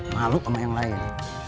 malu sama yang lain